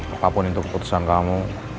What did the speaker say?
apapun itu keputusan kamu